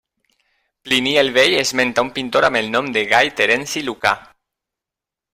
Plini el Vell esmenta un pintor amb el nom de Gai Terenci Lucà.